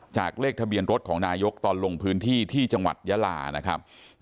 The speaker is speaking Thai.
เลขทะเบียนรถของนายกตอนลงพื้นที่ที่จังหวัดยาลานะครับ